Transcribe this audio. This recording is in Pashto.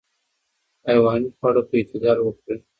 حیواني خواړه په اعتدال وخورئ.